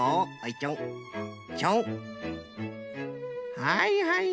はいはい。